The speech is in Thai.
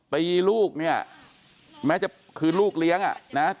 ตีลูกเนี่ยแม้จะคือลูกเลี้ยงอ่ะนะ